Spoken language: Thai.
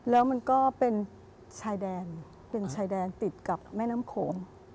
แล้วมันก็เป็นชายแดนติดกับแม่น้ำโขม